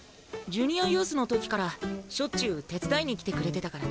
ジュニアユースの時からしょっちゅう手伝いに来てくれてたからね。